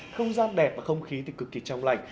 không gian đẹp và không khí thì cực kỳ trong lành